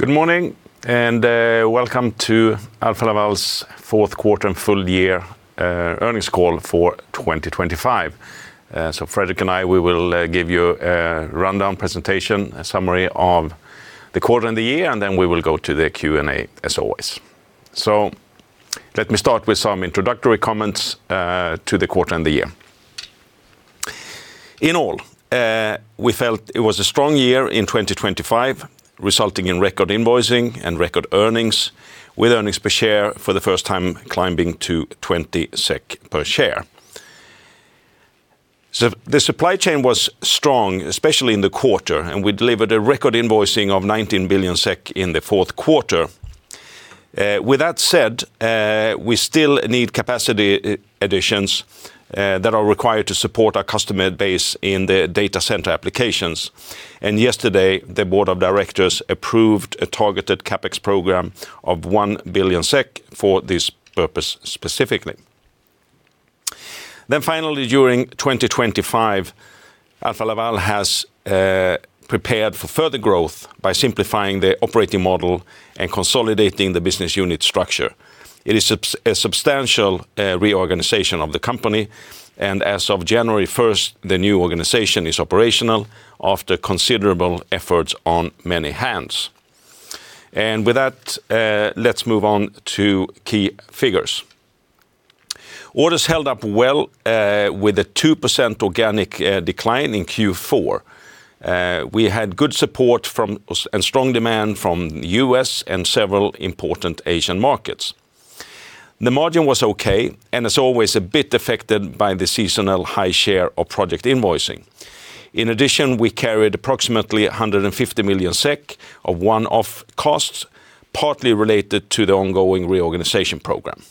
Good morning and welcome to Alfa Laval's Fourth Quarter and Full Year Earnings Call for 2025. Fredrik and I, we will give you a rundown presentation, a summary of the quarter and the year, and then we will go to the Q&A as always. Let me start with some introductory comments to the quarter and the year. In all, we felt it was a strong year in 2025 resulting in record invoicing and record earnings, with earnings per share for the first time climbing to 20 SEK per share. The supply chain was strong, especially in the quarter, and we delivered a record invoicing of 19 billion SEK in the fourth quarter. With that said, we still need capacity additions that are required to support our customer base in the data center applications. Yesterday, the board of directors approved a targeted CapEx program of 1 billion SEK for this purpose specifically. Finally, during 2025, Alfa Laval has prepared for further growth by simplifying the operating model and consolidating the business unit structure. It is a substantial reorganization of the company, and as of January 1st, the new organization is operational after considerable efforts on many hands. With that, let's move on to key figures. Orders held up well with a 2% organic decline in Q4. We had good support and strong demand from the U.S. and several important Asian markets. The margin was okay and, as always, a bit affected by the seasonal high share of project invoicing. In addition, we carried approximately 150 million SEK of one-off costs, partly related to the ongoing reorganization program.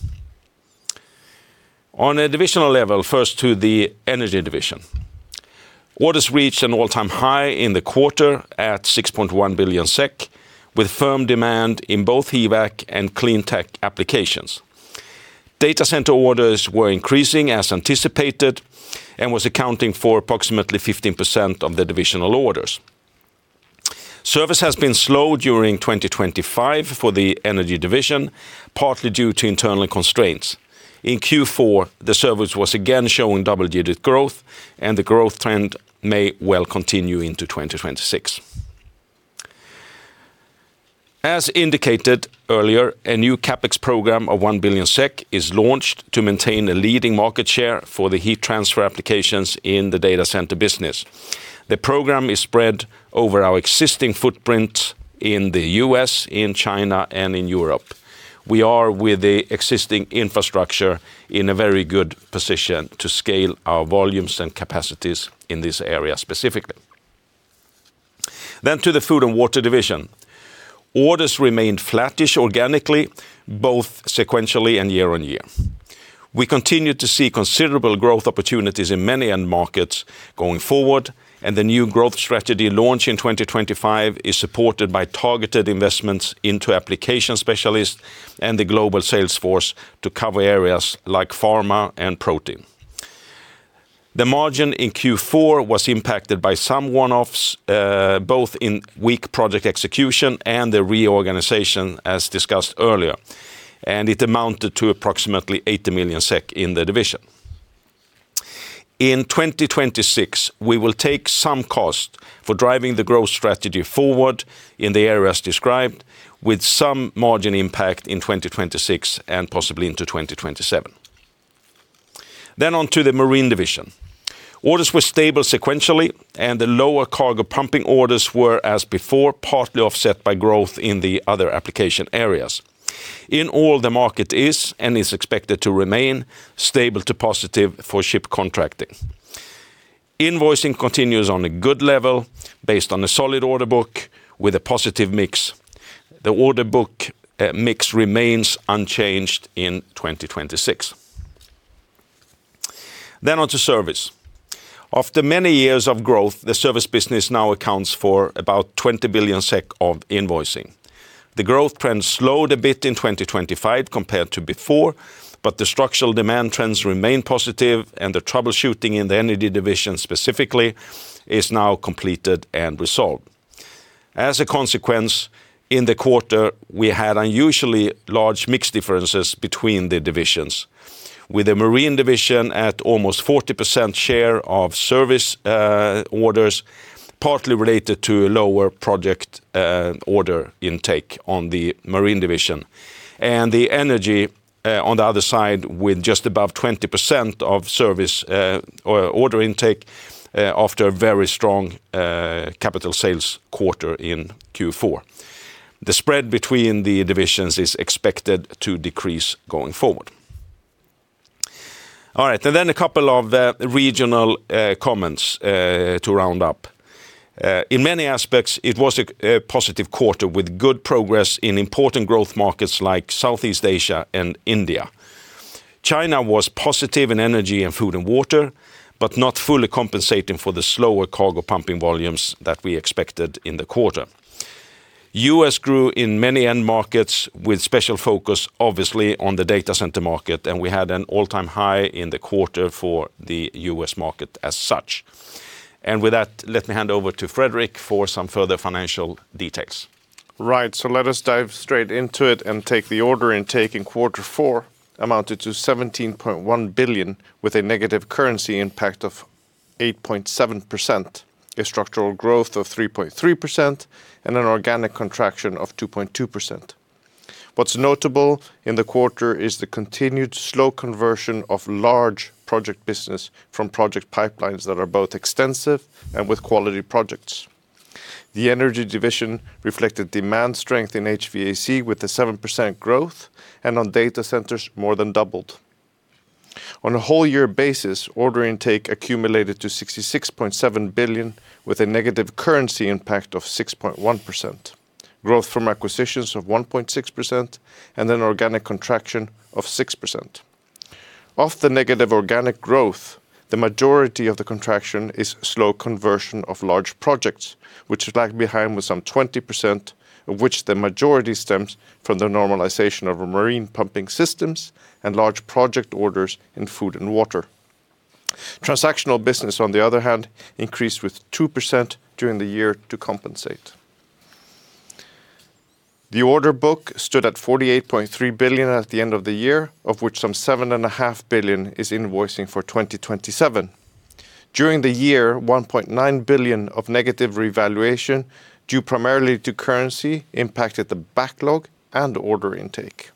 On a divisional level, first to the Energy Division. Orders reached an all-time high in the quarter at 6.1 billion SEK, with firm demand in both HVAC and cleantech applications. Data center orders were increasing as anticipated and were accounting for approximately 15% of the divisional orders. Service has been slow during 2025 for the Energy Division, partly due to internal constraints. In Q4, the service was again showing double-digit growth, and the growth trend may well continue into 2026. As indicated earlier, a new CapEx program of 1 billion SEK is launched to maintain a leading market share for the heat transfer applications in the data center business. The program is spread over our existing footprint in the U.S., in China, and in Europe. We are, with the existing infrastructure, in a very good position to scale our volumes and capacities in this area specifically. Then to the Food and Water Division. Orders remained flattish organically, both sequentially and year-on-year. We continue to see considerable growth opportunities in many end markets going forward, and the new growth strategy launched in 2025 is supported by targeted investments into application specialists and the global sales force to cover areas like pharma and protein. The margin in Q4 was impacted by some one-offs, both in weak project execution and the reorganization, as discussed earlier, and it amounted to approximately 80 million SEK in the division. In 2026, we will take some cost for driving the growth strategy forward in the areas described, with some margin impact in 2026 and possibly into 2027. Then onto the Marine Division. Orders were stable sequentially, and the lower cargo pumping orders were, as before, partly offset by growth in the other application areas. In all, the market is and is expected to remain stable to positive for ship contracting. Invoicing continues on a good level based on a solid order book with a positive mix. The order book mix remains unchanged in 2026. Then onto service. After many years of growth, the service business now accounts for about 20 billion SEK of invoicing. The growth trend slowed a bit in 2025 compared to before, but the structural demand trends remain positive, and the troubleshooting in the Energy Division specifically is now completed and resolved. As a consequence, in the quarter, we had unusually large mixed differences between the divisions, with the Marine Division at almost 40% share of service orders, partly related to lower project order intake on the Marine Division, and the Energy on the other side with just above 20% of service order intake after a very strong capital sales quarter in Q4. The spread between the divisions is expected to decrease going forward. All right. And then a couple of regional comments to round up. In many aspects, it was a positive quarter with good progress in important growth markets like Southeast Asia and India. China was positive in Energy and Food and Water, but not fully compensating for the slower cargo pumping volumes that we expected in the quarter. U.S. grew in many end markets with special focus, obviously, on the data center market, and we had an all-time high in the quarter for the U.S. market as such. With that, let me hand over to Fredrik for some further financial details. Right. So let us dive straight into it and take the order intake in quarter four amounted to 17.1 billion with a negative currency impact of 8.7%, a structural growth of 3.3%, and an organic contraction of 2.2%. What's notable in the quarter is the continued slow conversion of large project business from project pipelines that are both extensive and with quality projects. The Energy Division reflected demand strength in HVAC with a 7% growth, and on data centers, more than doubled. On a whole-year basis, order intake accumulated to 66.7 billion with a negative currency impact of 6.1%, growth from acquisitions of 1.6%, and an organic contraction of 6%. Of the negative organic growth, the majority of the contraction is slow conversion of large projects, which lag behind with some 20%, of which the majority stems from the normalization of marine pumping systems and large project orders in food and water. Transactional business, on the other hand, increased with 2% during the year to compensate. The order book stood at 48.3 billion at the end of the year, of which some 7.5 billion is invoicing for 2027. During the year, 1.9 billion of negative revaluation due primarily to currency impacted the backlog and order intake.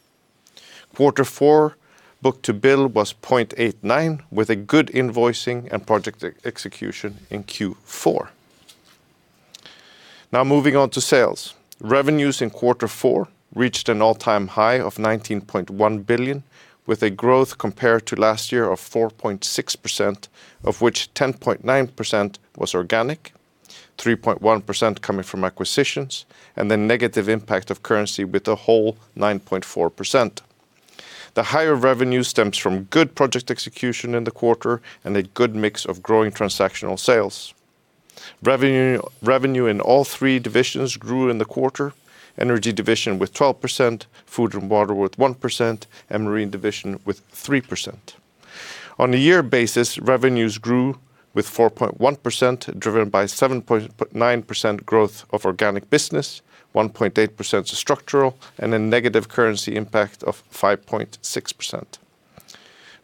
Quarter four, book-to-bill was 0.89 with a good invoicing and project execution in Q4. Now moving on to sales. Revenues in quarter four reached an all-time high of 19.1 billion with a growth compared to last year of 4.6%, of which 10.9% was organic, 3.1% coming from acquisitions, and the negative impact of currency with a whole 9.4%. The higher revenue stems from good project execution in the quarter and a good mix of growing transactional sales. Revenue in all three divisions grew in the quarter: Energy Division with 12%, food and water with 1%, and Marine Division with 3%. On a year basis, revenues grew with 4.1% driven by 7.9% growth of organic business, 1.8% of structural, and a negative currency impact of 5.6%.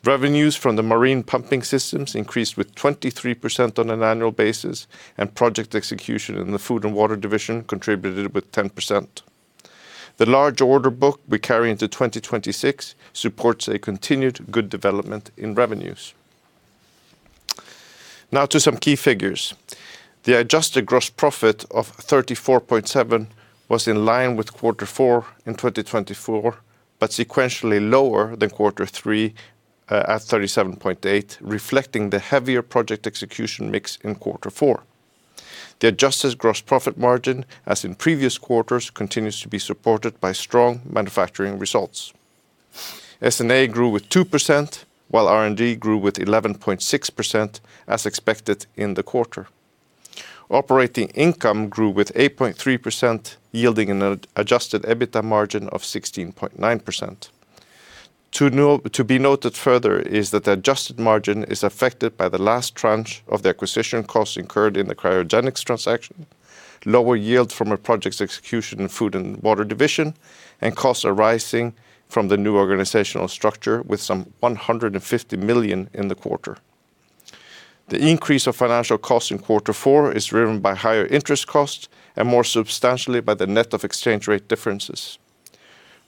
Revenues from the marine pumping systems increased with 23% on an annual basis, and project execution in the Food and Water Division contributed with 10%. The large order book we carry into 2026 supports a continued good development in revenues. Now to some key figures. The adjusted gross profit of 34.7 was in line with quarter four in 2024 but sequentially lower than quarter three at 37.8, reflecting the heavier project execution mix in quarter four. The adjusted gross profit margin, as in previous quarters, continues to be supported by strong manufacturing results. S&A grew with 2%, while R&D grew with 11.6% as expected in the quarter. Operating income grew with 8.3%, yielding an adjusted EBITDA margin of 16.9%. To be noted further is that the adjusted margin is affected by the last tranche of the acquisition costs incurred in the cryogenics transaction, lower yield from a project's execution in Food and Water Division, and costs arising from the new organizational structure with some 150 million in the quarter. The increase of financial costs in quarter four is driven by higher interest costs and more substantially by the net of exchange rate differences.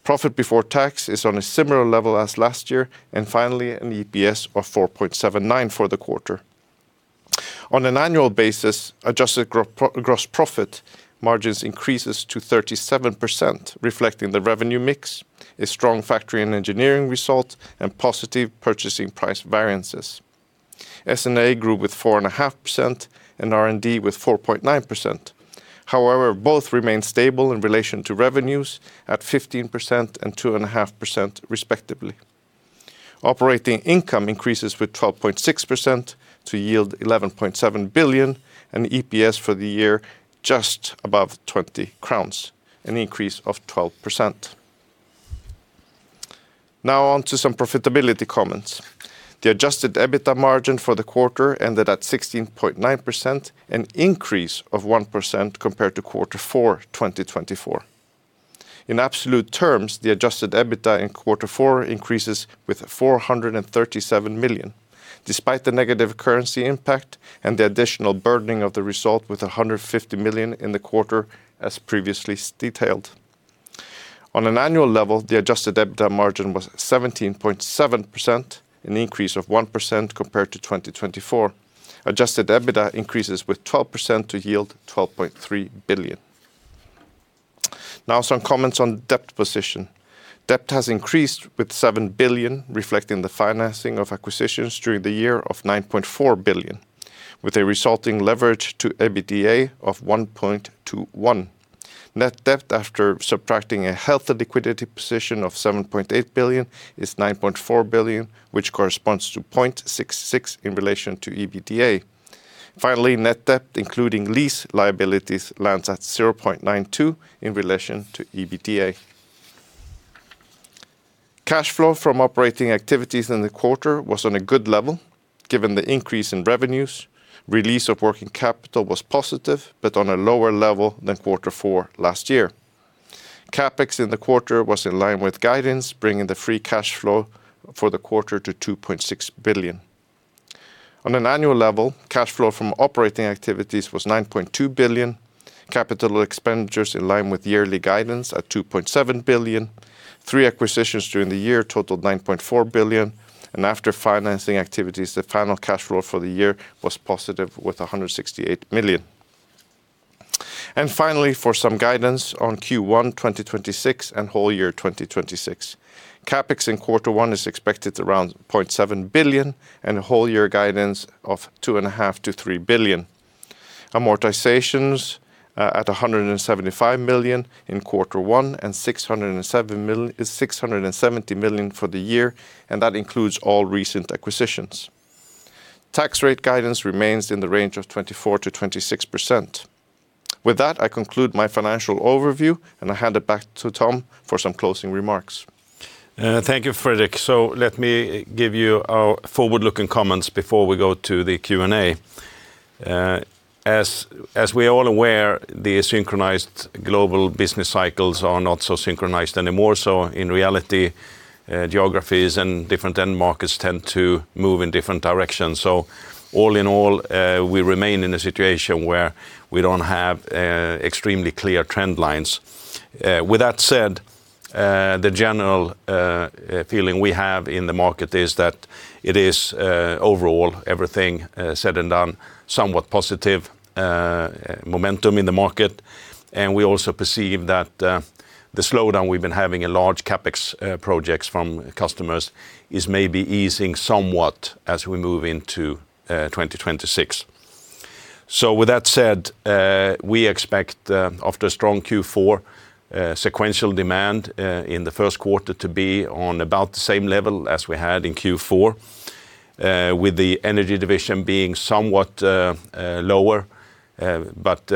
Profit before tax is on a similar level as last year, and finally, an EPS of 4.79 for the quarter. On an annual basis, adjusted gross profit margins increase to 37%, reflecting the revenue mix, a strong factory and engineering result, and positive purchasing price variances. S&A grew with 4.5% and R&D with 4.9%. However, both remain stable in relation to revenues at 15% and 2.5% respectively. Operating income increases with 12.6% to yield 11.7 billion and EPS for the year just above 20 crowns, an increase of 12%. Now onto some profitability comments. The adjusted EBITDA margin for the quarter ended at 16.9%, an increase of 1% compared to quarter four 2024. In absolute terms, the adjusted EBITDA in quarter four increases with 437 million despite the negative currency impact and the additional burdening of the result with 150 million in the quarter as previously detailed. On an annual level, the adjusted EBITDA margin was 17.7%, an increase of 1% compared to 2024. Adjusted EBITDA increases with 12% to yield 12.3 billion. Now some comments on debt position. Debt has increased with 7 billion, reflecting the financing of acquisitions during the year of 9.4 billion with a resulting leverage to EBITDA of 1.21. Net debt after subtracting a cash and liquidity position of 7.8 billion is 9.4 billion, which corresponds to 0.66 in relation to EBITDA. Finally, net debt including lease liabilities lands at 0.92 in relation to EBITDA. Cash flow from operating activities in the quarter was on a good level given the increase in revenues. Release of working capital was positive but on a lower level than quarter four last year. CapEx in the quarter was in line with guidance, bringing the free cash flow for the quarter to 2.6 billion. On an annual level, cash flow from operating activities was 9.2 billion. Capital expenditures in line with yearly guidance at 2.7 billion. Three acquisitions during the year totaled 9.4 billion, and after financing activities, the final cash flow for the year was positive with 168 million. And finally, for some guidance on Q1 2026 and whole year 2026, CapEx in quarter one is expected around 0.7 billion and a whole year guidance of 2.5 billion-3 billion. Amortizations at 175 million in quarter one and 670 million for the year, and that includes all recent acquisitions. Tax rate guidance remains in the range of 24%-26%. With that, I conclude my financial overview, and I hand it back to Tom for some closing remarks. Thank you, Fredrik. So let me give you our forward-looking comments before we go to the Q&A. As we are all aware, the synchronized global business cycles are not so synchronized anymore. So in reality, geographies and different end markets tend to move in different directions. So all in all, we remain in a situation where we don't have extremely clear trend lines. With that said, the general feeling we have in the market is that it is overall everything said and done somewhat positive momentum in the market, and we also perceive that the slowdown we've been having in large CapEx projects from customers is maybe easing somewhat as we move into 2026. So with that said, we expect after a strong Q4, sequential demand in the first quarter to be on about the same level as we had in Q4, with the Energy Division being somewhat lower but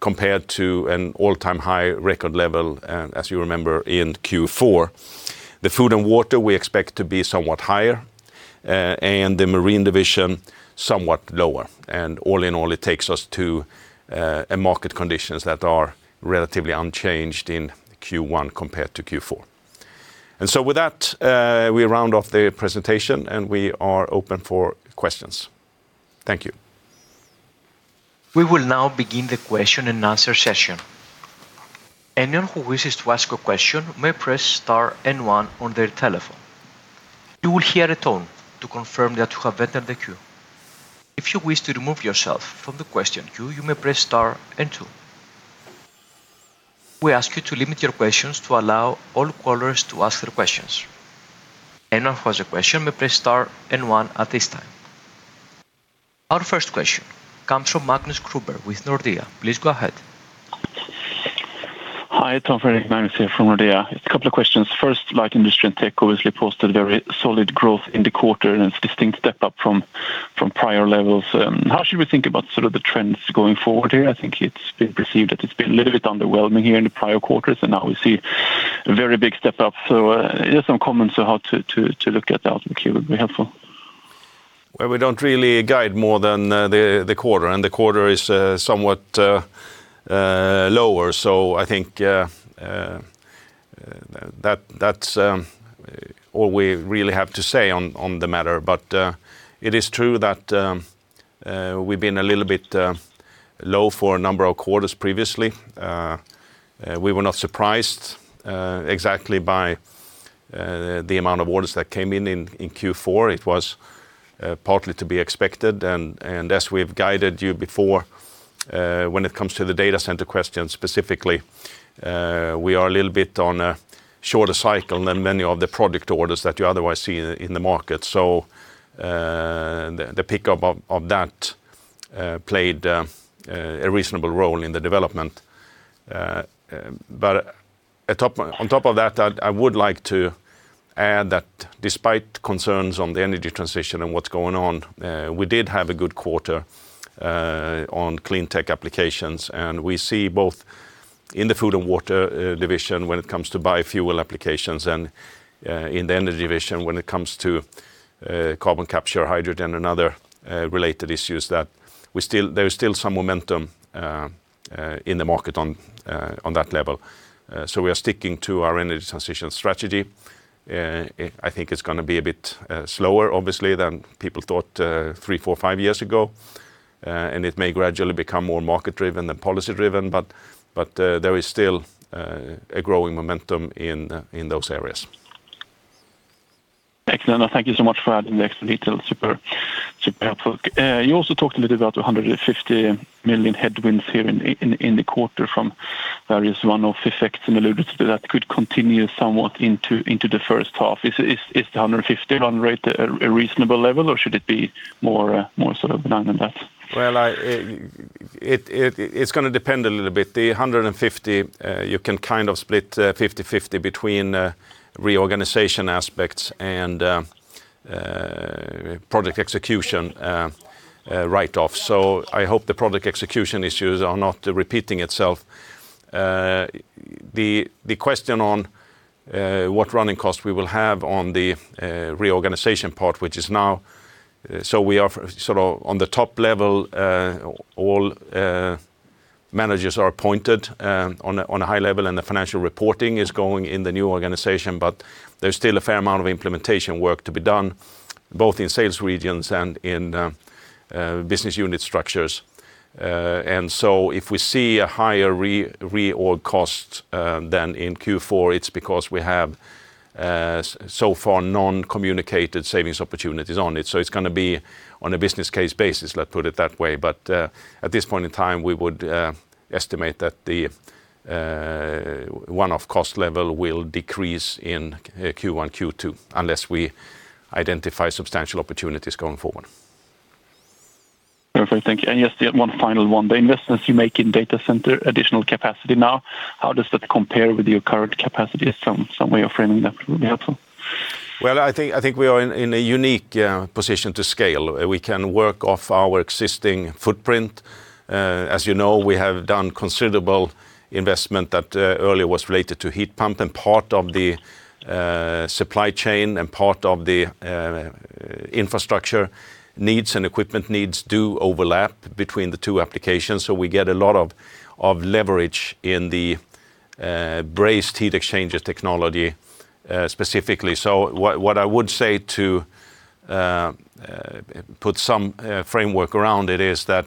compared to an all-time high record level, as you remember, in Q4. The Food and Water, we expect to be somewhat higher, and the Marine Division somewhat lower. And all in all, it takes us to market conditions that are relatively unchanged in Q1 compared to Q4. And so with that, we round off the presentation, and we are open for questions. Thank you. We will now begin the question and answer session. Anyone who wishes to ask a question may press star and one on their telephone. You will hear a tone to confirm that you have entered the queue. If you wish to remove yourself from the question queue, you may press star and two. We ask you to limit your questions to allow all callers to ask their questions. Anyone who has a question may press star and one at this time. Our first question comes from Magnus Kruber with Nordea. Please go ahead. Hi, Tom, Fredrik. Magnus here from Nordea. A couple of questions. First, light industry and tech obviously posted very solid growth in the quarter and a distinct step up from prior levels. How should we think about sort of the trends going forward here? I think it's been perceived that it's been a little bit underwhelming here in the prior quarters, and now we see a very big step up. So some comments on how to look at the outlook here would be helpful. Well, we don't really guide more than the quarter, and the quarter is somewhat lower. So I think that's all we really have to say on the matter. But it is true that we've been a little bit low for a number of quarters previously. We were not surprised exactly by the amount of orders that came in in Q4. It was partly to be expected. And as we've guided you before, when it comes to the data center questions specifically, we are a little bit on a shorter cycle than many of the product orders that you otherwise see in the market. So the pickup of that played a reasonable role in the development. But on top of that, I would like to add that despite concerns on the energy transition and what's going on, we did have a good quarter on clean tech applications. We see both in the Food and Water Division when it comes to biofuel applications and in the Energy Division when it comes to carbon capture, hydrogen, and other related issues that there is still some momentum in the market on that level. So we are sticking to our energy transition strategy. I think it's going to be a bit slower, obviously, than people thought three, four, five years ago. And it may gradually become more market-driven than policy-driven, but there is still a growing momentum in those areas. Excellent. Thank you so much for adding the extra detail. Super helpful. You also talked a little bit about 150 million headwinds here in the quarter from various run-off effects, and alluded to that could continue somewhat into the first half. Is the 150 million run rate a reasonable level, or should it be more sort of benign than that? Well, it's going to depend a little bit. The 150, you can kind of split 50/50 between reorganization aspects and project execution write-off. So I hope the project execution issues are not repeating itself. The question on what running costs we will have on the reorganization part, which is now so we are sort of on the top level. All managers are appointed on a high level, and the financial reporting is going in the new organization. But there's still a fair amount of implementation work to be done both in sales regions and in business unit structures. And so if we see a higher reorg cost than in Q4, it's because we have so far non-communicated savings opportunities on it. So it's going to be on a business case basis, let's put it that way. At this point in time, we would estimate that the run-off cost level will decrease in Q1, Q2 unless we identify substantial opportunities going forward. Perfect. Thank you. Yes, one final one. The investments you make in data center additional capacity now, how does that compare with your current capacity? Some way of framing that would be helpful. Well, I think we are in a unique position to scale. We can work off our existing footprint. As you know, we have done considerable investment that earlier was related to heat pump, and part of the supply chain and part of the infrastructure needs and equipment needs do overlap between the two applications. So we get a lot of leverage in the brazed heat exchanger technology specifically. So what I would say to put some framework around it is that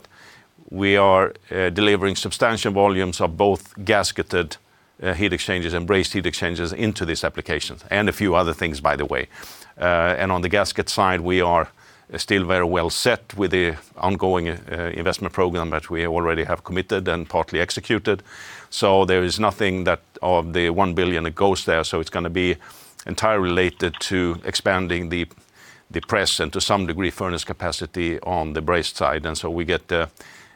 we are delivering substantial volumes of both gasketed heat exchangers and brazed heat exchangers into these applications and a few other things, by the way. And on the gasket side, we are still very well set with the ongoing investment program that we already have committed and partly executed. So there is nothing that of the 1 billion, it goes there. So it's going to be entirely related to expanding the press and to some degree furnace capacity on the brazed side. And so we get a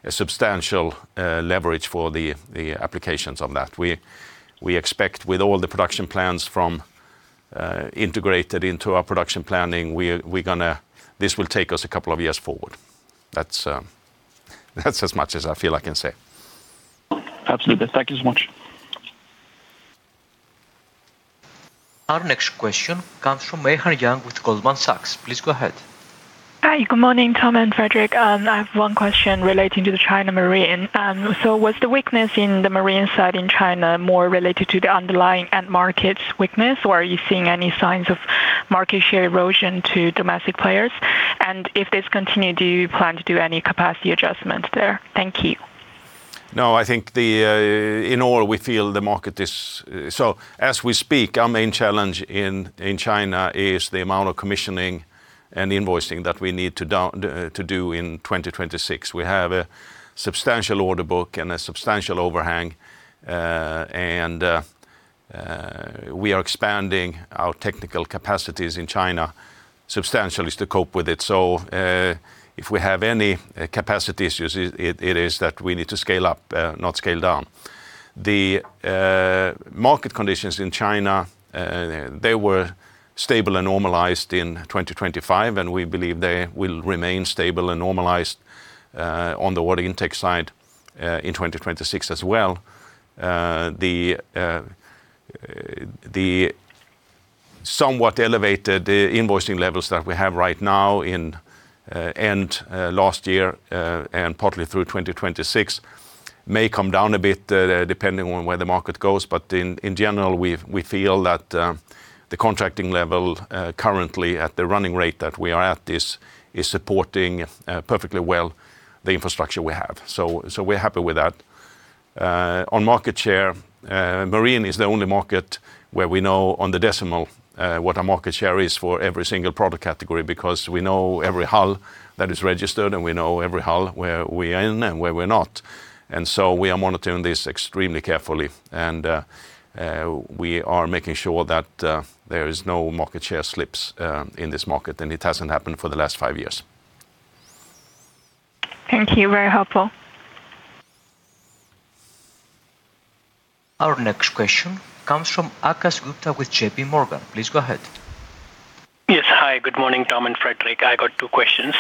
substantial leverage for the applications of that. We expect with all the production plans integrated into our production planning, we're going to. This will take us a couple of years forward. That's as much as I feel I can say. Absolutely. Thank you so much. Our next question comes from Meihan Yang with Goldman Sachs. Please go ahead. Hi. Good morning, Tom and Fredrik. I have one question relating to the China marine. Was the weakness in the marine side in China more related to the underlying end markets weakness, or are you seeing any signs of market share erosion to domestic players? And if this continues, do you plan to do any capacity adjustments there? Thank you. No, I think in all, we feel the market is so as we speak, our main challenge in China is the amount of commissioning and invoicing that we need to do in 2026. We have a substantial order book and a substantial overhang, and we are expanding our technical capacities in China substantially to cope with it. So if we have any capacity issues, it is that we need to scale up, not scale down. The market conditions in China, they were stable and normalized in 2025, and we believe they will remain stable and normalized on the order intake side in 2026 as well. The somewhat elevated invoicing levels that we have right now in end last year and partly through 2026 may come down a bit depending on where the market goes. But in general, we feel that the contracting level currently at the running rate that we are at is supporting perfectly well the infrastructure we have. So we're happy with that. On market share, marine is the only market where we know on the decimal what our market share is for every single product category because we know every hull that is registered, and we know every hull where we are in and where we're not. And so we are monitoring this extremely carefully, and we are making sure that there is no market share slips in this market, and it hasn't happened for the last five years. Thank you. Very helpful. Our next question comes from Akash Gupta with JP Morgan. Please go ahead. Yes. Hi. Good morning, Tom and Fredrik. I got two questions.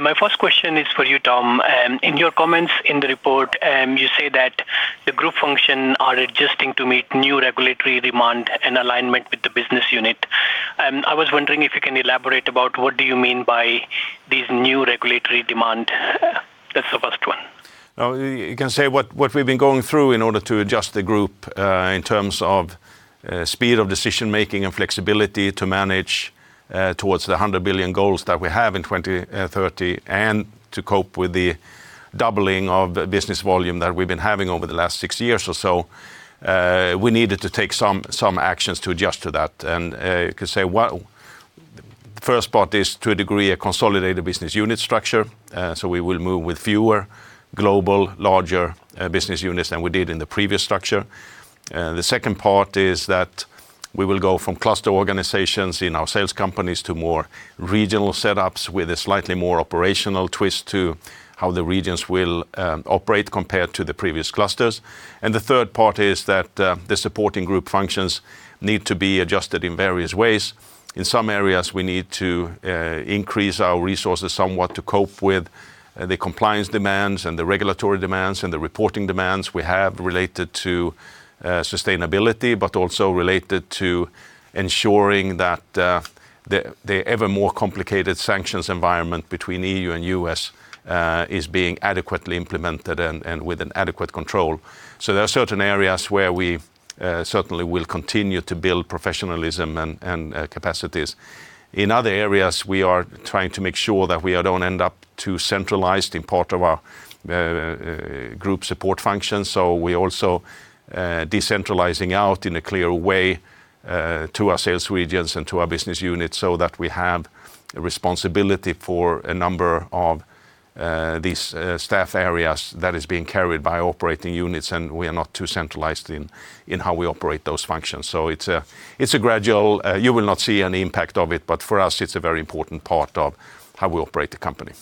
My first question is for you, Tom. In your comments in the report, you say that the group function are adjusting to meet new regulatory demand and alignment with the business unit. I was wondering if you can elaborate about what do you mean by these new regulatory demand. That's the first one. You can say what we've been going through in order to adjust the group in terms of speed of decision-making and flexibility to manage towards the 100 billion goals that we have in 2030 and to cope with the doubling of business volume that we've been having over the last 6 years or so. We needed to take some actions to adjust to that. And you could say the first part is, to a degree, a consolidated business unit structure. So we will move with fewer global, larger business units than we did in the previous structure. The second part is that we will go from cluster organizations in our sales companies to more regional setups with a slightly more operational twist to how the regions will operate compared to the previous clusters. And the third part is that the supporting group functions need to be adjusted in various ways. In some areas, we need to increase our resources somewhat to cope with the compliance demands and the regulatory demands and the reporting demands we have related to sustainability but also related to ensuring that the ever more complicated sanctions environment between EU and US is being adequately implemented and with an adequate control. So there are certain areas where we certainly will continue to build professionalism and capacities. In other areas, we are trying to make sure that we don't end up too centralized in part of our group support function. So we're also decentralizing out in a clear way to our sales regions and to our business units so that we have responsibility for a number of these staff areas that is being carried by operating units, and we are not too centralized in how we operate those functions. It's a gradual. You will not see an impact of it, but for us, it's a very important part of how we operate the company.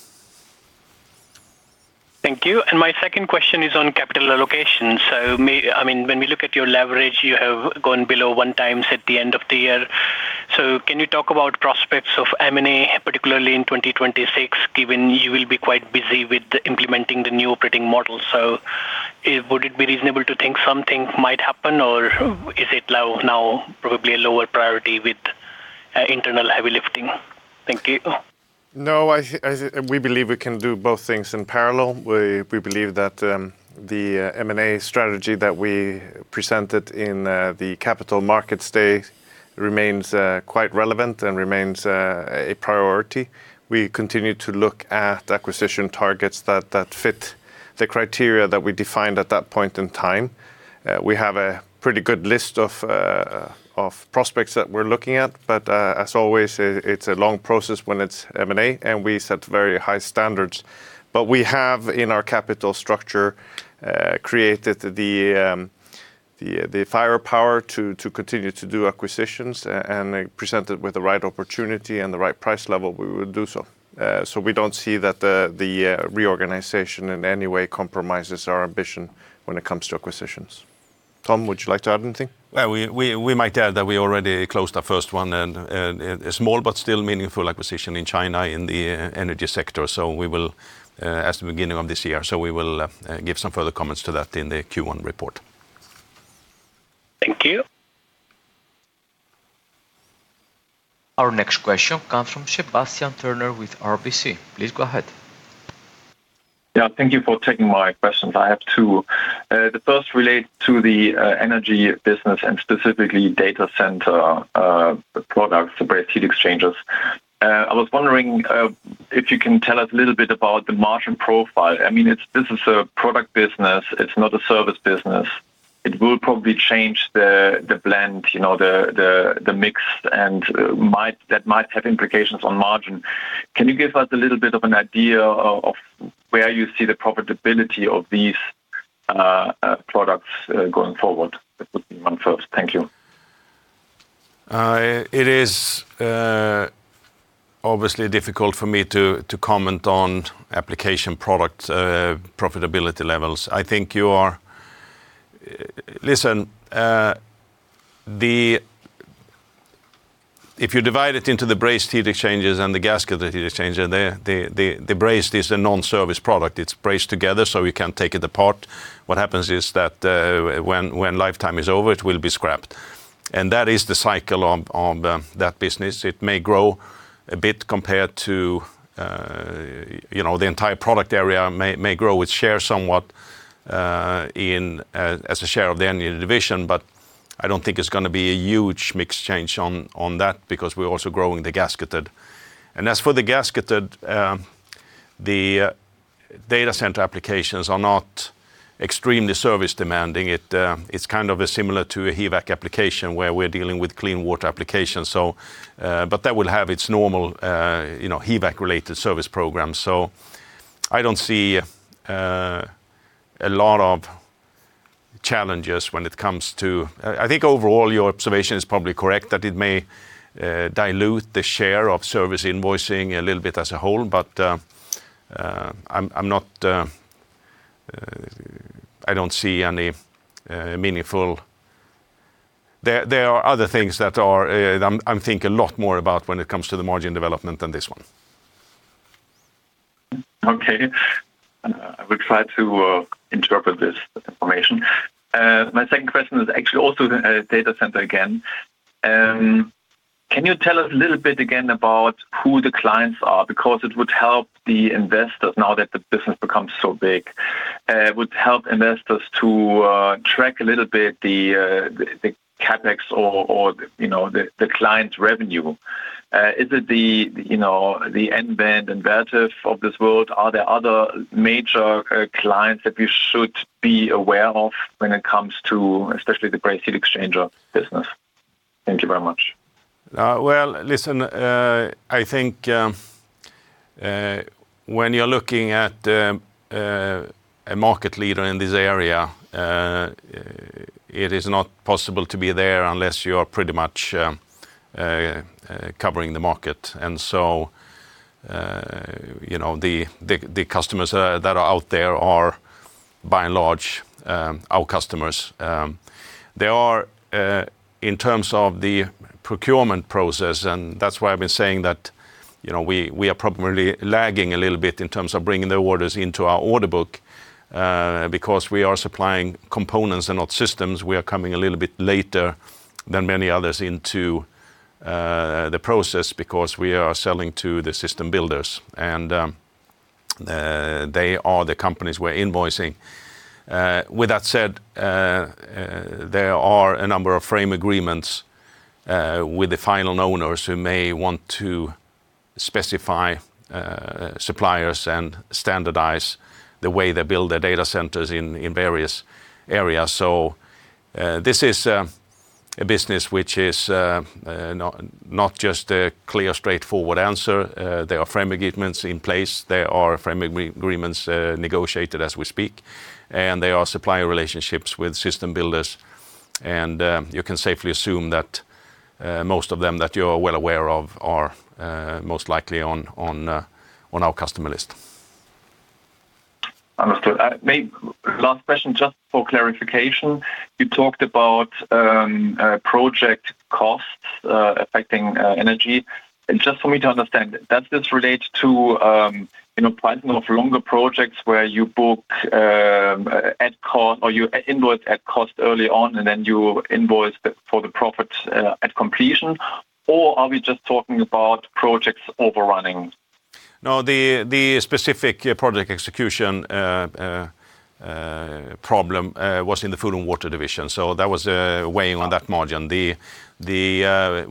Thank you. My second question is on capital allocation. I mean, when we look at your leverage, you have gone below 1x at the end of the year. Can you talk about prospects of M&A, particularly in 2026, given you will be quite busy with implementing the new operating model? Would it be reasonable to think something might happen, or is it now probably a lower priority with internal heavy lifting? Thank you. No, we believe we can do both things in parallel. We believe that the M&A strategy that we presented in the Capital Markets Day remains quite relevant and remains a priority. We continue to look at acquisition targets that fit the criteria that we defined at that point in time. We have a pretty good list of prospects that we're looking at. But as always, it's a long process when it's M&A, and we set very high standards. But we have, in our capital structure, created the firepower to continue to do acquisitions and presented with the right opportunity and the right price level. We will do so. So we don't see that the reorganization in any way compromises our ambition when it comes to acquisitions. Tom, would you like to add anything? Well, we might add that we already closed our first one, a small but still meaningful acquisition in China in the energy sector. So we will at the beginning of this year. So we will give some further comments to that in the Q1 report. Thank you. Our next question comes from Sebastian Kuenne with RBC. Please go ahead. Yeah. Thank you for taking my questions. I have two. The first relates to the energy business and specifically data center products, the brazed heat exchangers. I was wondering if you can tell us a little bit about the margin profile. I mean, this is a product business. It's not a service business. It will probably change the blend, the mix, and that might have implications on margin. Can you give us a little bit of an idea of where you see the profitability of these products going forward? That would be my first. Thank you. It is obviously difficult for me to comment on application product profitability levels. I think you are listening. If you divide it into the brazed heat exchangers and the gasketed heat exchanger, the brazed is a non-service product. It's brazed together, so you can't take it apart. What happens is that when lifetime is over, it will be scrapped. And that is the cycle of that business. It may grow a bit compared to the entire product area may grow its share somewhat as a share of the Energy Division. But I don't think it's going to be a huge mix change on that because we're also growing the gasketed. And as for the gasketed, the data center applications are not extremely service-demanding. It's kind of similar to a HVAC application where we're dealing with clean water applications. But that will have its normal HVAC-related service programs. I don't see a lot of challenges when it comes to, I think, overall, your observation is probably correct that it may dilute the share of service invoicing a little bit as a whole. But I don't see any meaningful. There are other things that I'm thinking a lot more about when it comes to the margin development than this one. Okay. I would try to interpret this information. My second question is actually also data center again. Can you tell us a little bit again about who the clients are? Because it would help the investors now that the business becomes so big, it would help investors to track a little bit the CapEx or the client revenue. Is it the end-to-end entity of this world? Are there other major clients that we should be aware of when it comes to especially the brazed heat exchanger business? Thank you very much. Well, listen, I think when you're looking at a market leader in this area, it is not possible to be there unless you are pretty much covering the market. And so the customers that are out there are, by and large, our customers. In terms of the procurement process, and that's why I've been saying that we are probably lagging a little bit in terms of bringing the orders into our order book because we are supplying components and not systems. We are coming a little bit later than many others into the process because we are selling to the system builders, and they are the companies we're invoicing. With that said, there are a number of frame agreements with the final owners who may want to specify suppliers and standardize the way they build their data centers in various areas. This is a business which is not just a clear, straightforward answer. There are frame agreements in place. There are frame agreements negotiated as we speak, and there are supplier relationships with system builders. You can safely assume that most of them that you're well aware of are most likely on our customer list. Understood. Last question just for clarification. You talked about project costs affecting energy. Just for me to understand, does this relate to pricing of longer projects where you book at cost or you invoice at cost early on, and then you invoice for the profit at completion? Or are we just talking about projects overrunning? No, the specific project execution problem was in the Food and Water Division. So that was weighing on that margin.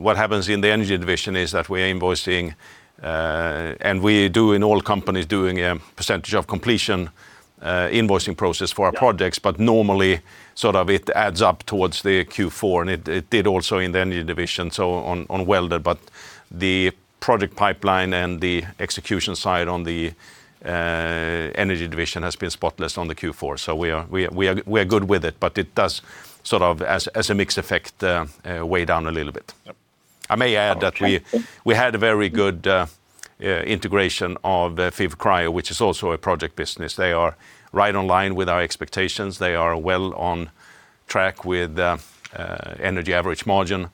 What happens in the Energy Division is that we're invoicing and we do, in all companies, doing a percentage of completion invoicing process for our projects. But normally, sort of it adds up towards the Q4, and it did also in the Energy Division, so on balance. But the project pipeline and the execution side on the Energy Division has been spotless on the Q4. So we are good with it. But it does sort of as a mixed effect weigh down a little bit. I may add that we had a very good integration of Fives Cryo, which is also a project business. They are right in line with our expectations. They are well on track with energy average margin.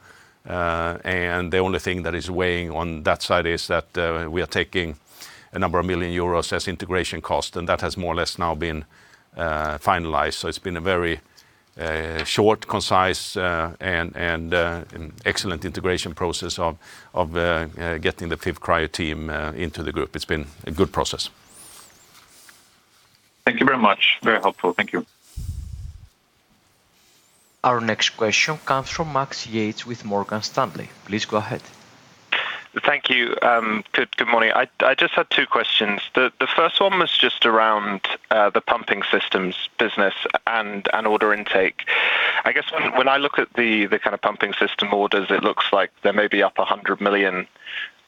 The only thing that is weighing on that side is that we are taking a number of million EUR as integration cost, and that has more or less now been finalized. So it's been a very short, concise, and excellent integration process of getting the Fives Cryo team into the group. It's been a good process. Thank you very much. Very helpful. Thank you. Our next question comes from Max Yates with Morgan Stanley. Please go ahead. Thank you. Good morning. I just had two questions. The first one was just around the pumping systems business and order intake. I guess when I look at the kind of pumping system orders, it looks like there may be up 100 million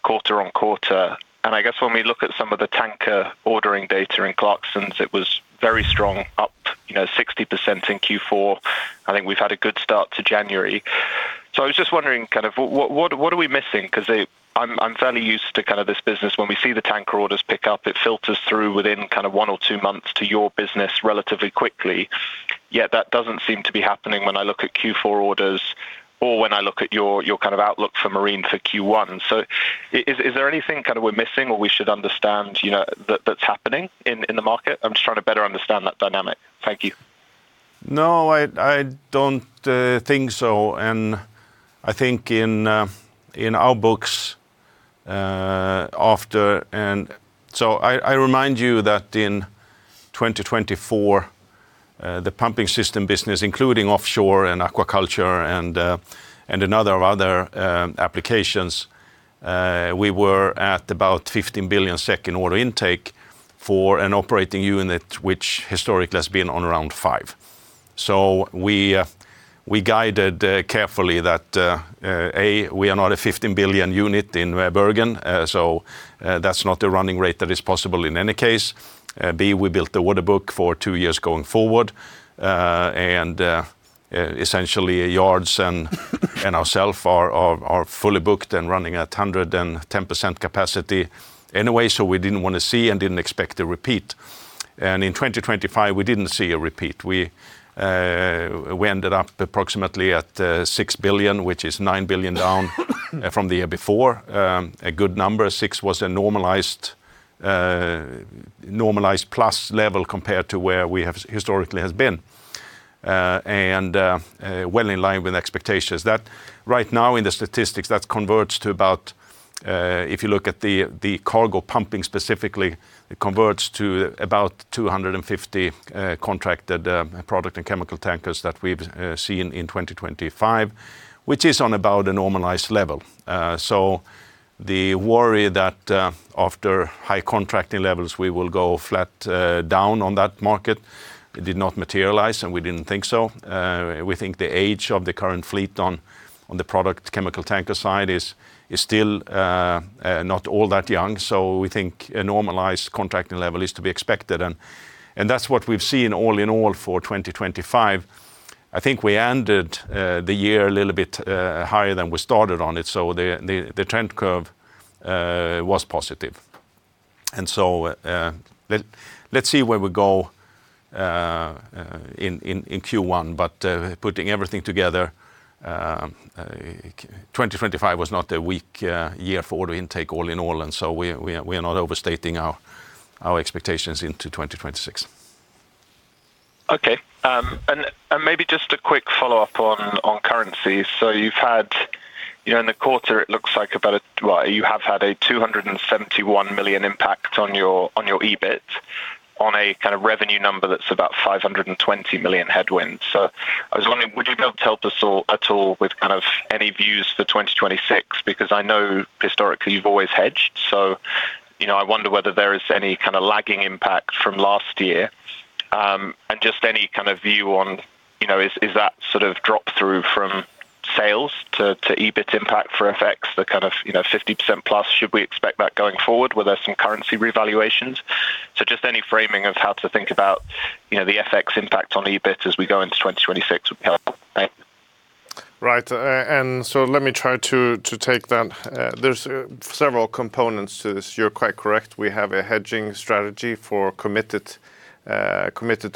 quarter on quarter. And I guess when we look at some of the tanker ordering data in Clarksons, it was very strong, up 60% in Q4. I think we've had a good start to January. So I was just wondering kind of what are we missing? Because I'm fairly used to kind of this business. When we see the tanker orders pick up, it filters through within kind of one or two months to your business relatively quickly. Yet that doesn't seem to be happening when I look at Q4 orders or when I look at your kind of outlook for marine for Q1. Is there anything kind of we're missing or we should understand that's happening in the market? I'm just trying to better understand that dynamic. Thank you. No, I don't think so. I think in our books after and so I remind you that in 2024, the pumping system business, including offshore and aquaculture and a number of other applications, we were at about 15 billion order intake for an operating unit, which historically has been on around 5 billion. So we guided carefully that, A, we are not a 15 billion unit in Bergen. So that's not the running rate that is possible in any case. B, we built the order book for two years going forward. And essentially, yards and ourselves are fully booked and running at 110% capacity anyway. So we didn't want to see and didn't expect a repeat. And in 2025, we didn't see a repeat. We ended up approximately at 6 billion, which is 9 billion down from the year before. A good number. 6 was a normalized plus level compared to where we historically have been and well in line with expectations. Right now, in the statistics, that converts to about if you look at the cargo pumping specifically, it converts to about 250 contracted product and chemical tankers that we've seen in 2025, which is on about a normalized level. So the worry that after high contracting levels, we will go flat down on that market did not materialize, and we didn't think so. We think the age of the current fleet on the product chemical tanker side is still not all that young. So we think a normalized contracting level is to be expected. And that's what we've seen all in all for 2025. I think we ended the year a little bit higher than we started on it. So the trend curve was positive. Let's see where we go in Q1. Putting everything together, 2025 was not a weak year for order intake all in all. We are not overstating our expectations into 2026. Okay. And maybe just a quick follow-up on currencies. So you've had in the quarter, it looks like about a well, you have had a 271 million impact on your EBIT on a kind of revenue number that's about 520 million headwinds. So I was wondering, would you be able to help us at all with kind of any views for 2026? Because I know historically, you've always hedged. So I wonder whether there is any kind of lagging impact from last year and just any kind of view on is that sort of drop-through from sales to EBIT impact for FX, the kind of 50% plus, should we expect that going forward where there's some currency revaluations? So just any framing of how to think about the FX impact on EBIT as we go into 2026 would be helpful. Thank you. Right. Let me try to take that. There's several components to this. You're quite correct. We have a hedging strategy for committed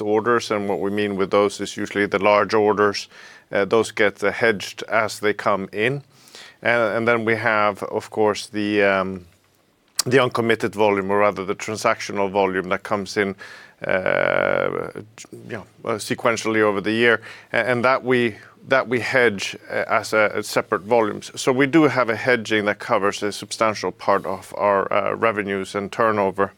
orders. What we mean with those is usually the large orders. Those get hedged as they come in. Then we have, of course, the uncommitted volume or rather the transactional volume that comes in sequentially over the year. That we hedge as separate volumes. So we do have a hedging that covers a substantial part of our revenues and turnover.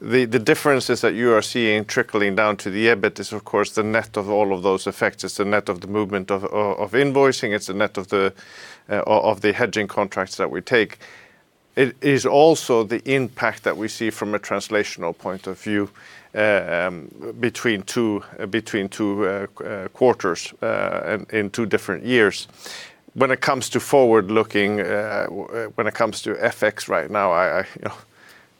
The differences that you are seeing trickling down to the EBIT is, of course, the net of all of those effects. It's the net of the movement of invoicing. It's the net of the hedging contracts that we take. It is also the impact that we see from a translational point of view between two quarters in two different years. When it comes to forward-looking, when it comes to FX right now,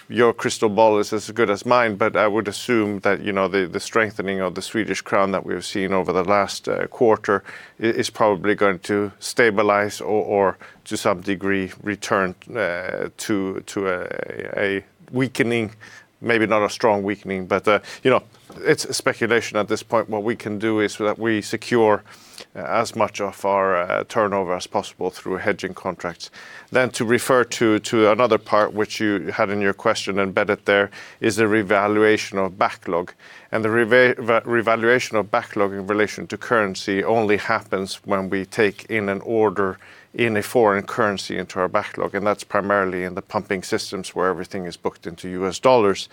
your crystal ball is as good as mine. But I would assume that the strengthening of the Swedish crown that we have seen over the last quarter is probably going to stabilize or to some degree return to a weakening, maybe not a strong weakening. But it's speculation at this point. What we can do is that we secure as much of our turnover as possible through hedging contracts. Then to refer to another part which you had in your question embedded there is the revaluation of backlog. And the revaluation of backlog in relation to currency only happens when we take in an order in a foreign currency into our backlog. And that's primarily in the pumping systems where everything is booked into U.S. dollars.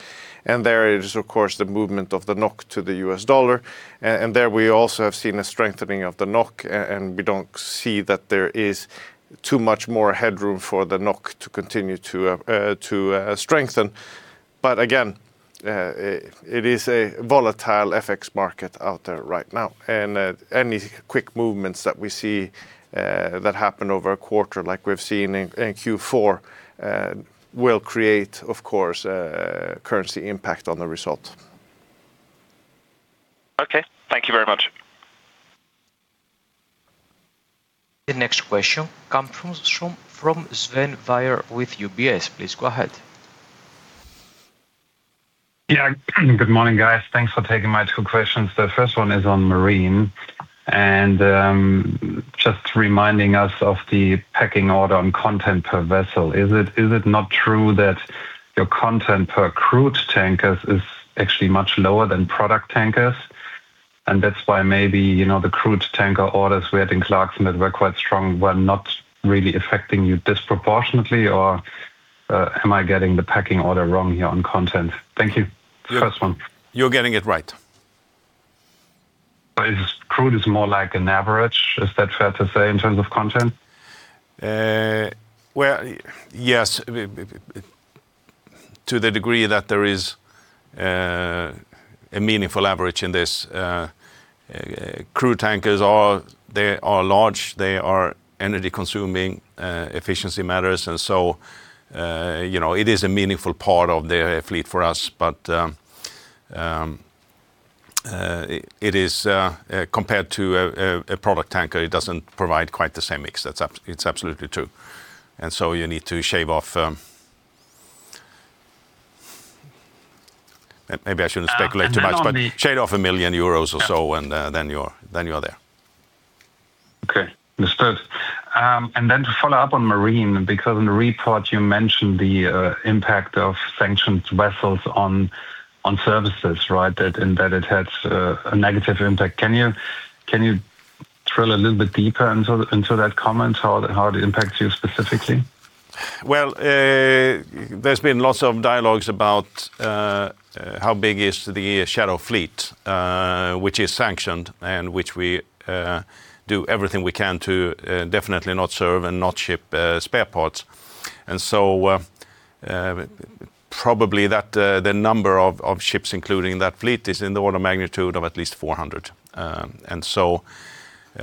And there it is, of course, the movement of the NOK to the US dollar. And there we also have seen a strengthening of the NOK. And we don't see that there is too much more headroom for the NOK to continue to strengthen. But again, it is a volatile FX market out there right now. And any quick movements that we see that happen over a quarter like we've seen in Q4 will create, of course, currency impact on the result. Okay. Thank you very much. The next question comes from Sven Weier with UBS. Please go ahead. Yeah. Good morning, guys. Thanks for taking my two questions. The first one is on marine and just reminding us of the packing order on content per vessel. Is it not true that your content per crude tankers is actually much lower than product tankers? And that's why maybe the crude tanker orders we had in Clarksons that were quite strong were not really affecting you disproportionately, or am I getting the packing order wrong here on content? Thank you. First one. You're getting it right. Is crude more like an average? Is that fair to say in terms of content? Well, yes, to the degree that there is a meaningful average in this. Crude tankers, they are large. They are energy-consuming. Efficiency matters. And so it is a meaningful part of their fleet for us. But compared to a product tanker, it doesn't provide quite the same mix. It's absolutely true. And so you need to shave off maybe I shouldn't speculate too much, but shave off 1 million euros or so, and then you are there. Okay. Understood. And then to follow up on marine, because in the report, you mentioned the impact of sanctioned vessels on services, right, that it had a negative impact. Can you drill a little bit deeper into that comment, how it impacts you specifically? Well, there's been lots of dialogues about how big is the shadow fleet, which is sanctioned and which we do everything we can to definitely not serve and not ship spare parts. And so probably the number of ships including that fleet is in the order of magnitude of at least 400. And so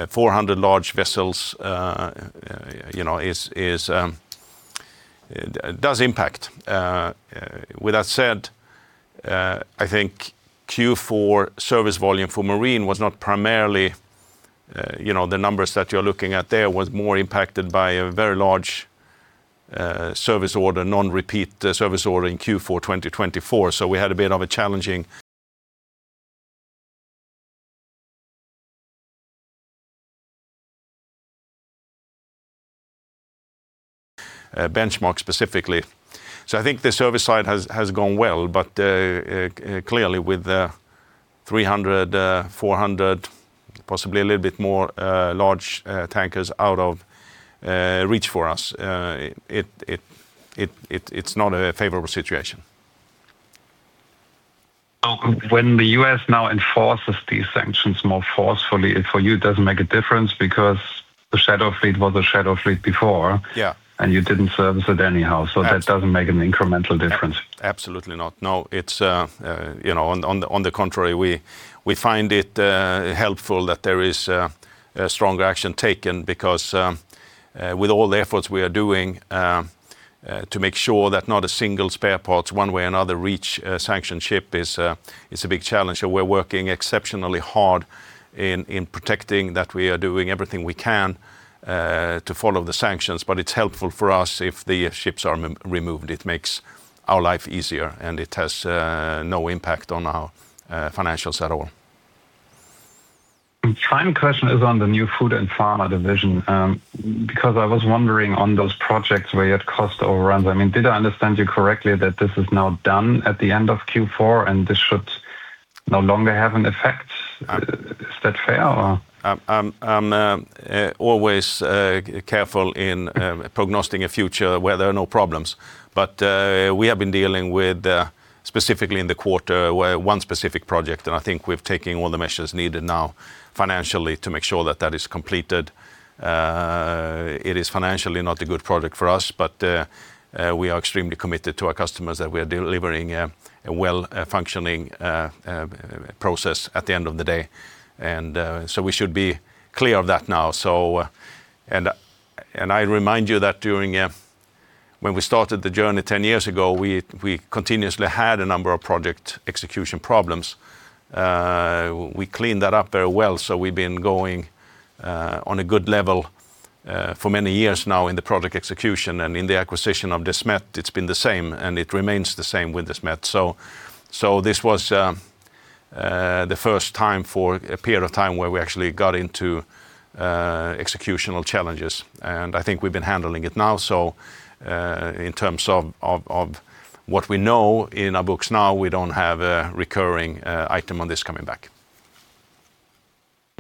400 large vessels does impact. With that said, I think Q4 service volume for marine was not primarily the numbers that you're looking at. There was more impacted by a very large service order, non-repeat service order in Q4 2024. So we had a bit of a challenging benchmark specifically. So I think the service side has gone well. But clearly, with 300, 400, possibly a little bit more large tankers out of reach for us, it's not a favorable situation. So when the U.S. now enforces these sanctions more forcefully, for you, it doesn't make a difference because the shadow fleet was a shadow fleet before, and you didn't service it anyhow. So that doesn't make an incremental difference. Absolutely not. No. On the contrary, we find it helpful that there is stronger action taken because with all the efforts we are doing to make sure that not a single spare parts, one way or another, reach sanctioned ship, is a big challenge. We're working exceptionally hard in protecting that. We are doing everything we can to follow the sanctions. But it's helpful for us if the ships are removed. It makes our life easier, and it has no impact on our financials at all. The final question is on the new food and pharma division. Because I was wondering on those projects where you had cost overruns, I mean, did I understand you correctly that this is now done at the end of Q4, and this should no longer have an effect? Is that fair, or? I'm always careful in prognosticating a future where there are no problems. But we have been dealing with specifically in the quarter one specific project. And I think we've taken all the measures needed now financially to make sure that that is completed. It is financially not a good project for us, but we are extremely committed to our customers that we are delivering a well-functioning process at the end of the day. And so we should be clear of that now. And I remind you that when we started the journey 10 years ago, we continuously had a number of project execution problems. We cleaned that up very well. So we've been going on a good level for many years now in the project execution. And in the acquisition of Desmet, it's been the same, and it remains the same with Desmet. This was the first time for a period of time where we actually got into executional challenges. I think we've been handling it now. In terms of what we know in our books now, we don't have a recurring item on this coming back.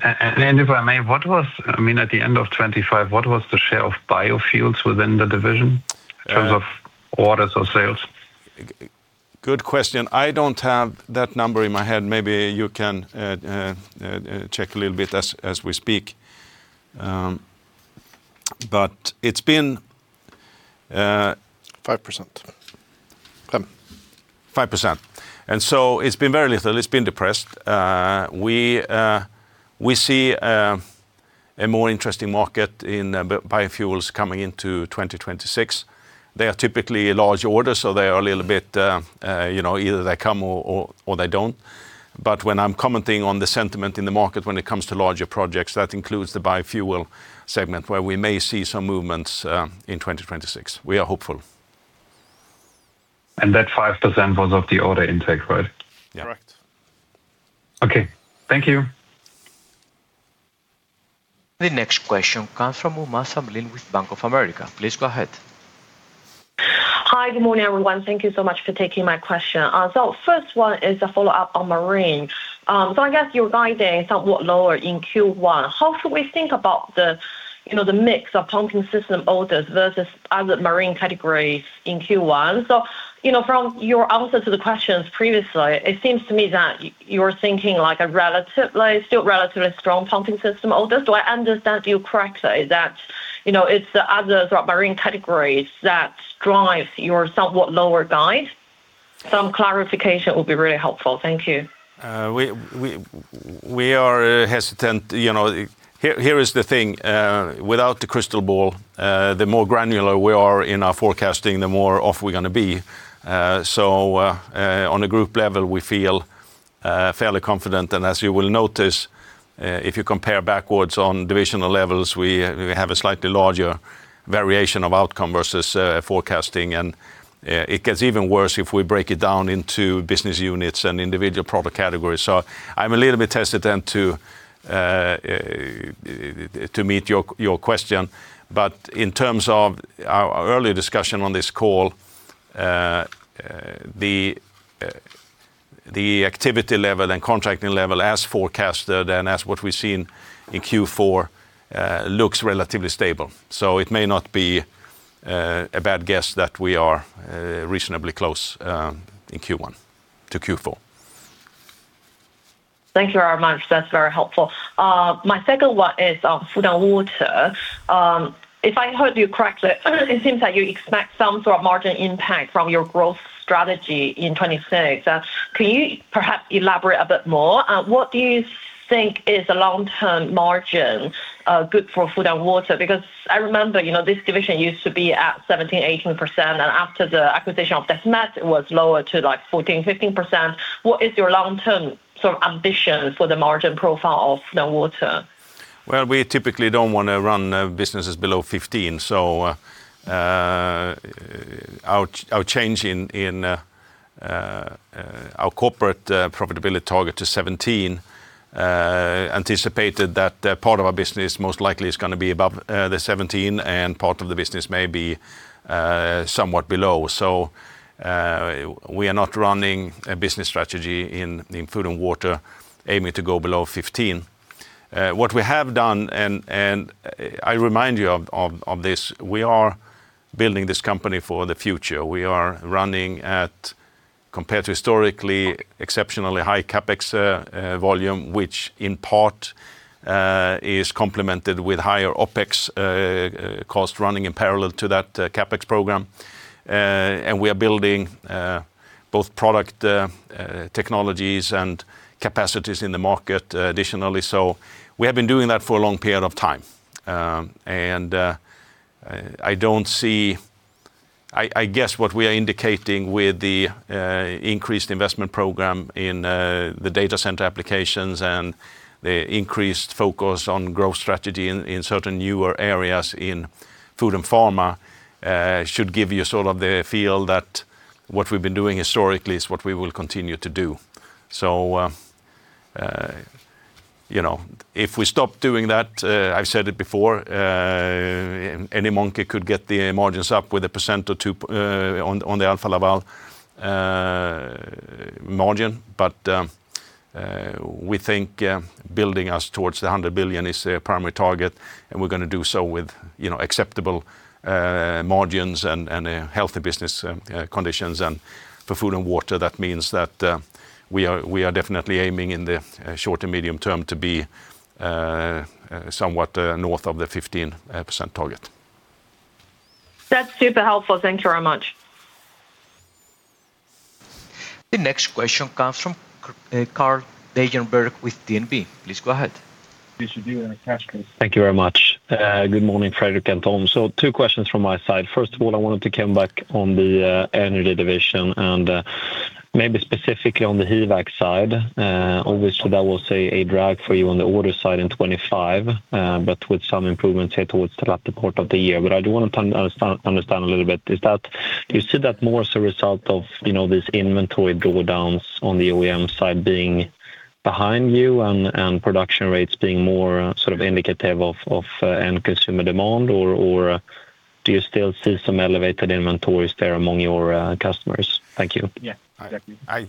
And if I may, I mean, at the end of 2025, what was the share of biofuels within the division in terms of orders or sales? Good question. I don't have that number in my head. Maybe you can check a little bit as we speak. But it's been. 5%. 5%. And so it's been very little. It's been depressed. We see a more interesting market in biofuels coming into 2026. They are typically large orders, so they are a little bit either they come or they don't. But when I'm commenting on the sentiment in the market when it comes to larger projects, that includes the biofuel segment where we may see some movements in 2026. We are hopeful. That 5% was of the order intake, right? Yeah. Correct. Okay. Thank you. The next question comes from Uma Samlin with Bank of America. Please go ahead. Hi. Good morning, everyone. Thank you so much for taking my question. So first one is a follow-up on marine. So I guess your guidance is somewhat lower in Q1. How should we think about the mix of pumping system orders versus other marine categories in Q1? So from your answer to the questions previously, it seems to me that you're thinking still relatively strong pumping system orders. Do I understand you correctly that it's the others, right, marine categories that drive your somewhat lower guide? Some clarification would be really helpful. Thank you. We are hesitant. Here is the thing. Without the crystal ball, the more granular we are in our forecasting, the more off we're going to be. So on a group level, we feel fairly confident. As you will notice, if you compare backwards on divisional levels, we have a slightly larger variation of outcome versus forecasting. It gets even worse if we break it down into business units and individual product categories. So I'm a little bit hesitant to meet your question. In terms of our earlier discussion on this call, the activity level and contracting level as forecasted and as what we've seen in Q4 looks relatively stable. So it may not be a bad guess that we are reasonably close in Q1 to Q4. Thank you very much. That's very helpful. My second one is on food and water. If I heard you correctly, it seems that you expect some sort of margin impact from your growth strategy in 2026. Can you perhaps elaborate a bit more? What do you think is a long-term margin good for food and water? Because I remember this division used to be at 17%-18%. And after the acquisition of Desmet, it was lower to like 14%-15%. What is your long-term sort of ambition for the margin profile of food and water? Well, we typically don't want to run businesses below 15. So our change in our corporate profitability target to 17 anticipated that part of our business most likely is going to be above the 17, and part of the business may be somewhat below. So we are not running a business strategy in food and water aiming to go below 15. What we have done, and I remind you of this, we are building this company for the future. We are running at, compared to historically, exceptionally high CapEx volume, which in part is complemented with higher OpEx costs running in parallel to that CapEx program. And we are building both product technologies and capacities in the market additionally. So we have been doing that for a long period of time. I guess what we are indicating with the increased investment program in the data center applications and the increased focus on growth strategy in certain newer areas in food and pharma should give you sort of the feel that what we've been doing historically is what we will continue to do. So if we stop doing that, I've said it before, any monkey could get the margins up with 1% or 2% on the Alfa Laval margin. But we think building us towards 100 billion is the primary target, and we're going to do so with acceptable margins and healthy business conditions. For food and water, that means that we are definitely aiming in the short and medium term to be somewhat north of the 15% target. That's super helpful. Thank you very much. The next question comes from Karl Degenburg with DNB. Please go ahead. Yes, you do. I'm a cash cow. Thank you very much. Good morning, Fredrik and Tom. So two questions from my side. First of all, I wanted to come back on the Energy Division and maybe specifically on the HVAC side. Obviously, that was a drag for you on the order side in 2025, but with some improvements here towards the latter part of the year. But I do want to understand a little bit. Is that you see that more as a result of these inventory drawdowns on the OEM side being behind you and production rates being more sort of indicative of end-consumer demand, or do you still see some elevated inventories there among your customers? Thank you. Yeah.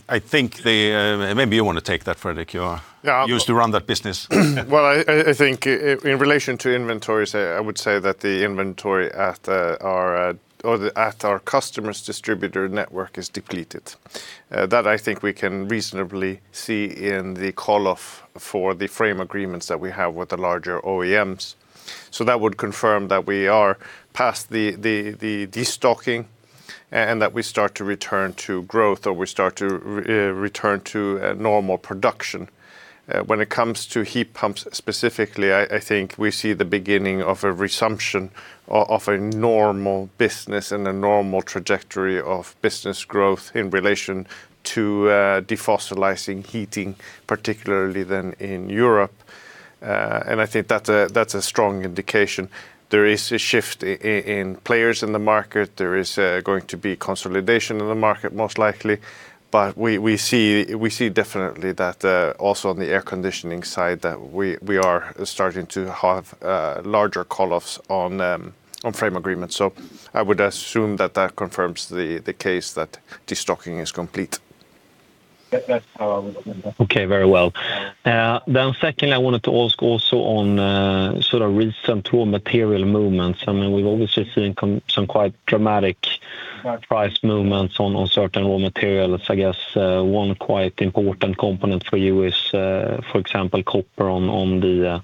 I think then maybe you want to take that, Fredrik. You used to run that business. Well, I think in relation to inventories, I would say that the inventory at our customers' distributor network is depleted. That I think we can reasonably see in the call-off for the frame agreements that we have with the larger OEMs. So that would confirm that we are past the destocking and that we start to return to growth, or we start to return to normal production. When it comes to heat pumps specifically I think we see the beginning of a resumption of a normal business and a normal trajectory of business growth in relation to defossilizing heating, particularly then in Europe. And I think that's a strong indication. There is a shift in players in the market. There is going to be consolidation in the market most likely. But we see definitely that also on the air conditioning side, that we are starting to have larger call-offs on frame agreements. So I would assume that that confirms the case that destocking is complete. That's how I would understand that. Okay. Very well. Then secondly, I wanted to ask also on sort of recent raw material movements. I mean, we've obviously seen some quite dramatic price movements on certain raw materials. I guess one quite important component for you is, for example, copper on the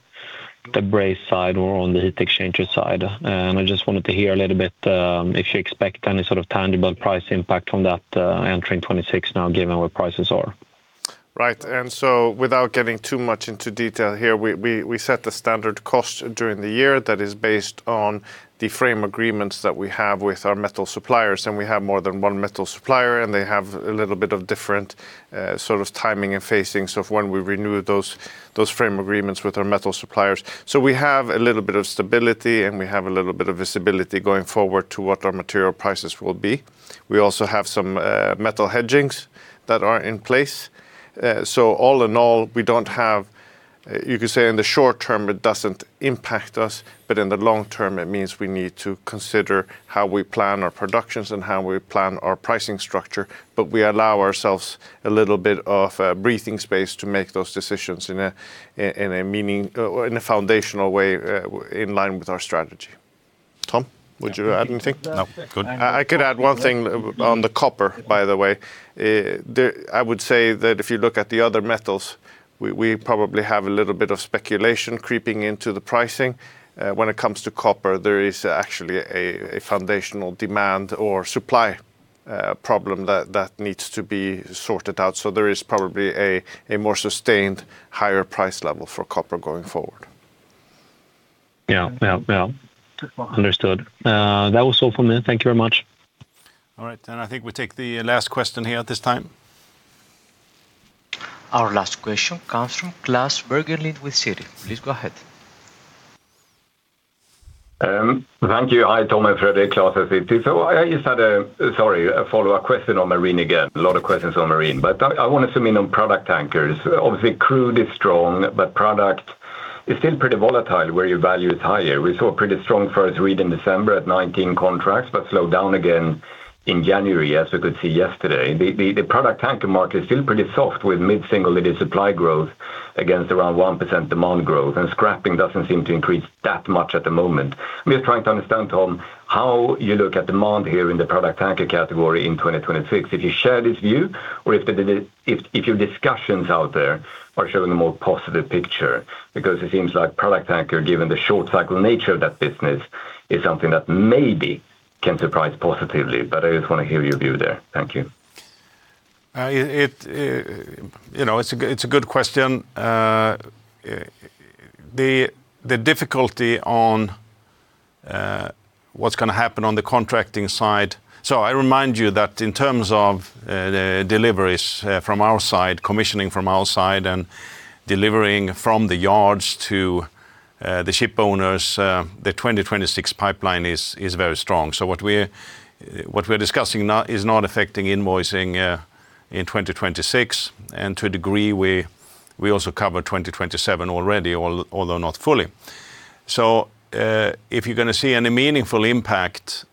brazed side or on the heat exchanger side. And I just wanted to hear a little bit if you expect any sort of tangible price impact from that entering 2026 now given where prices are. Right. And so without getting too much into detail here, we set the standard cost during the year that is based on the frame agreements that we have with our metal suppliers. And we have more than one metal supplier, and they have a little bit of different sort of timing and phasing of when we renew those frame agreements with our metal suppliers. So we have a little bit of stability, and we have a little bit of visibility going forward to what our material prices will be. We also have some metal hedgings that are in place. So all in all, we don't have, you could say, in the short term, it doesn't impact us. But in the long term, it means we need to consider how we plan our productions and how we plan our pricing structure. But we allow ourselves a little bit of breathing space to make those decisions in a meaningful or in a foundational way in line with our strategy. Tom, would you add anything? No. Good. I could add one thing on the copper, by the way. I would say that if you look at the other metals, we probably have a little bit of speculation creeping into the pricing. When it comes to copper, there is actually a foundational demand or supply problem that needs to be sorted out. So there is probably a more sustained higher price level for copper going forward. Yeah. Yeah. Yeah. Understood. That was all from me. Thank you very much. All right. And I think we take the last question here at this time. Our last question comes from Klas Bergelind with Citi. Please go ahead. Thank you. Hi, Tom and Fredrik. Klas at Citi. I just had a follow-up question on marine again. A lot of questions on marine. But I wanted to mention product tankers. Obviously, crude is strong, but product is still pretty volatile where your value is higher. We saw a pretty strong first read in December at 19 contracts but slowed down again in January as we could see yesterday. The product tanker market is still pretty soft with mid-single-digit supply growth against around 1% demand growth. And scrapping doesn't seem to increase that much at the moment. I'm just trying to understand, Tom, how you look at demand here in the product tanker category in 2026, if you share this view or if your discussions out there are showing a more positive picture because it seems like product tanker, given the short-cycle nature of that business, is something that maybe can surprise positively. But I just want to hear your view there. Thank you. It's a good question. The difficulty on what's going to happen on the contracting side so I remind you that in terms of deliveries from our side, commissioning from our side, and delivering from the yards to the ship owners, the 2026 pipeline is very strong. So what we're discussing is not affecting invoicing in 2026. And to a degree, we also covered 2027 already, although not fully. So if you're going to see any meaningful impact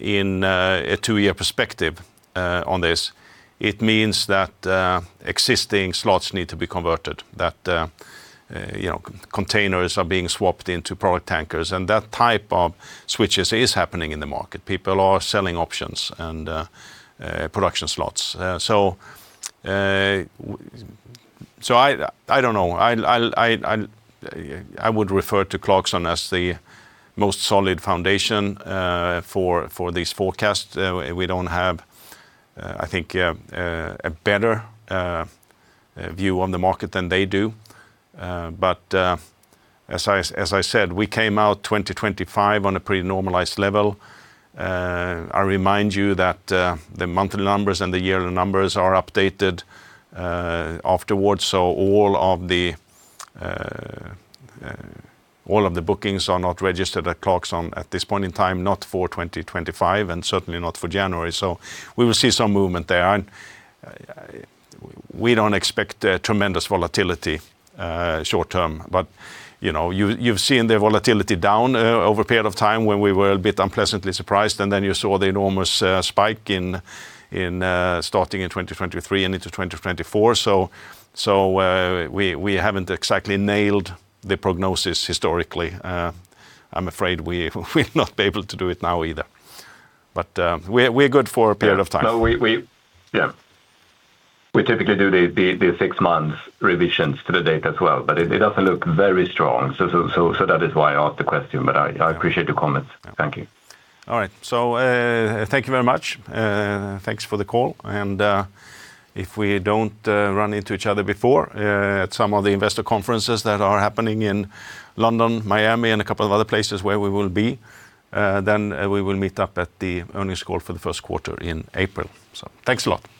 in a 2-year perspective on this, it means that existing slots need to be converted, that containers are being swapped into product tankers. And that type of switches is happening in the market. People are selling options and production slots. So I don't know. I would refer to Clarksons as the most solid foundation for these forecasts. We don't have, I think, a better view on the market than they do. But as I said, we came out 2025 on a pretty normalized level. I remind you that the monthly numbers and the yearly numbers are updated afterwards. So all of the bookings are not registered at Clarkson's at this point in time, not for 2025 and certainly not for January. So we will see some movement there. And we don't expect tremendous volatility short term. But you've seen the volatility down over a period of time when we were a bit unpleasantly surprised. And then you saw the enormous spike starting in 2023 and into 2024. So we haven't exactly nailed the prognosis historically. I'm afraid we will not be able to do it now either. But we're good for a period of time. Yeah. We typically do the six-month revisions to the data as well. But it doesn't look very strong. So that is why I asked the question. But I appreciate your comments. Thank you. All right. Thank you very much. Thanks for the call. If we don't run into each other before at some of the investor conferences that are happening in London, Miami, and a couple of other places where we will be, then we will meet up at the earnings call for the first quarter in April. Thanks a lot.